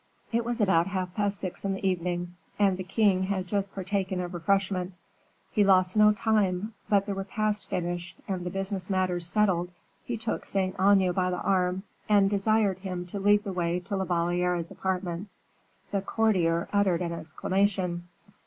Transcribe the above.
It was about half past six in the evening, and the king had just partaken of refreshment. He lost no time; but the repast finished, and business matters settled, he took Saint Aignan by the arm, and desired him to lead the way to La Valliere's apartments. The courtier uttered an exclamation.